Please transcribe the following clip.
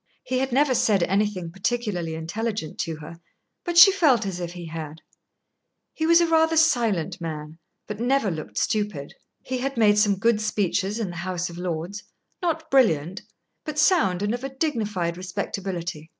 He had never said anything particularly intelligent to her, but she felt as if he had. He was a rather silent man, but never looked stupid. He had made some good speeches in the House of Lords, not brilliant, but sound and of a dignified respectability.